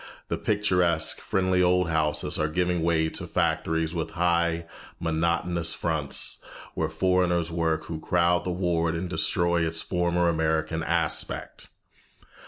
The picturesque, friendly old houses are giving way to factories with high, monotonous fronts, where foreigners work who crowd the ward and destroy its former American aspect.